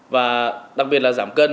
và đặc biệt là giảm cân